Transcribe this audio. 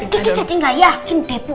kiki jadi gak yakin depo